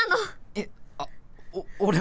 えっあっおっ俺も。